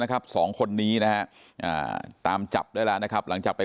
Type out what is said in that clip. สองคนนี้นะฮะตามจับได้แล้วนะครับหลังจากไป